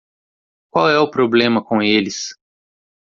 Qual é o problema com eles?